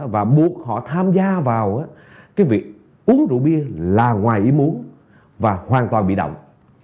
và buộc họ tham gia vào cái việc uống rượu bia là ngoài ý muốn và hoàn toàn bị động